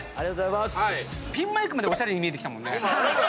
ピンマイクまでおしゃれに見えてきたもんね。